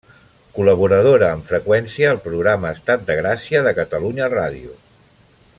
Col·laboradora amb freqüència al programa Estat de Gràcia de Catalunya Ràdio.